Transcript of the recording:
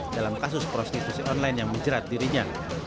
dalam kasus prostitusi online yang menjerat dirinya